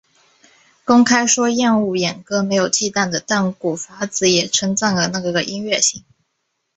公开说厌恶演歌没有忌惮的淡谷法子也称赞了那个音乐性。